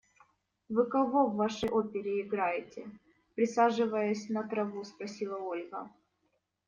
– Вы кого в вашей опере играете? – присаживаясь на траву, спросила Ольга.